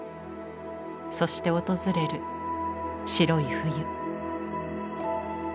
そして訪れる白い冬。